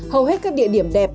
hầu hết các địa điểm đẹp